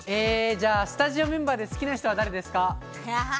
スタジオメンバーで好きな人は誰ですか？